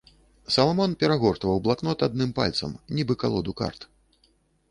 Саламон перагортваў блакнот адным пальцам, нібы калоду карт.